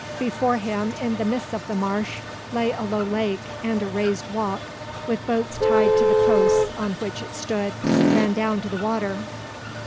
Before him, in the midst of the marsh, lay a low lake, and a raised walk, with boats tied to the posts on which it stood, ran down to the water.